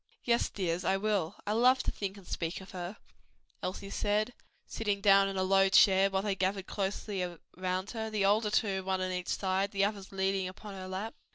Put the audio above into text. "Yes, dears, I will: I love to think and speak of her," Elsie said, sitting down in a low chair while they gathered closely round her, the older two, one on each side, the others leaning upon her lap.